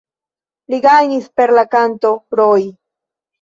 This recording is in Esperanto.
Li gajnis per la kanto "Roi".